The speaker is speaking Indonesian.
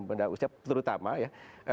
modal usia terutama ya